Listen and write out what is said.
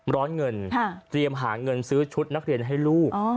ร้อนเงินเตรียมหาเงินซื้อชุดนักเรียนให้ลูก